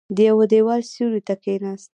د يوه دېوال سيوري ته کېناست.